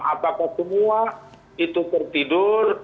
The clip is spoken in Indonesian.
apakah semua itu tertidur